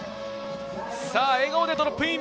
さぁ、笑顔でドロップイン。